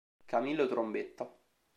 Camillo Trombetta